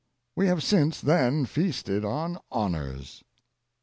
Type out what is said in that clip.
We have since then feasted on honors.